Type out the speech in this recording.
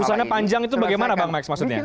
pesannya panjang itu bagaimana bang max maksudnya